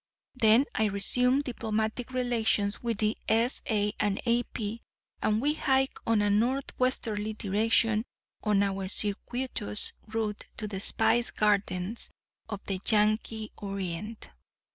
Then I resume diplomatic relations with the S.A. & A.P., and we hike in a northwesterly direction on our circuitous route to the spice gardens of the Yankee Orient.